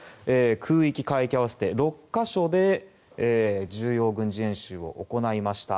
空域、海域合わせて６か所で重要軍事演習を行いました。